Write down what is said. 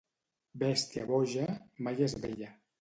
Bèstia boja mai és vella.